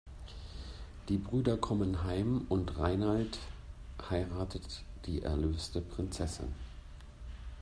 Die Brüder kommen heim und Reinald heiratet die erlöste Prinzessin.